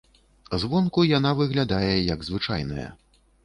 Звонку яна выглядае як звычайная.